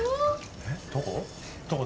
えっどこ？